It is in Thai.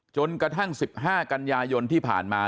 จนกระทั่ง๑๕กันยายนที่ผ่านมา